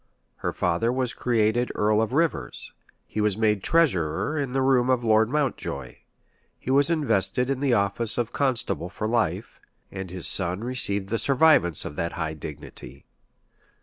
Her father was created earl of Rivers: he was made treasurer in the room of Lord Mountjoy:[*] he was invested in the office of constable for life; and his son received the survivance of that high dignity.